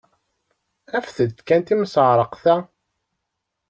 Afet-d kan timseɛṛeqt-a!